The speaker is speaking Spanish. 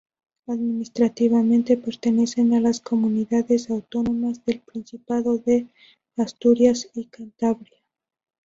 Administrativamente, pertenece a las comunidades autónomas del Principado de Asturias y Cantabria.